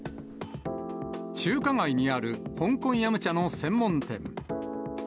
中華街にある香港飲茶の専門店。